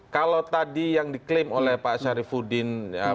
kalau tadi yang diklaim oleh pak syarifudin